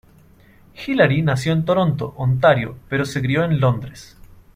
Hilary nació en Toronto, Ontario pero se crio en Londres.